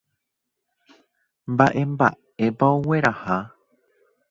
Mba'emba'épa ogueraha.